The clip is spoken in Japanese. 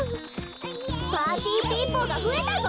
パーティーピーポーがふえたぞ！